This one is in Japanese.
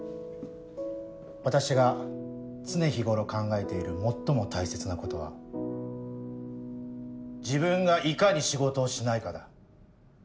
私が常日頃考えている最も大切なことは自分がいかに仕事をしないかだ。